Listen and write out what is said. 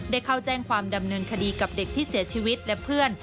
ได้เข้าแจ้งความดำเนินคดีกับเด็กที่เสียชีวิตและเพื่อน